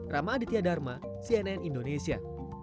rama aditya dharma cnn indonesia